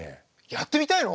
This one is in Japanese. やってみたいの！？